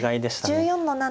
黒１４の七。